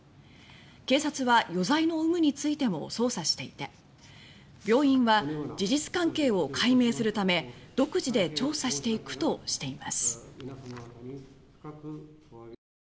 警察は余罪の有無についても捜査していて病院は事実関係を解明するため独自で調査していくとしています。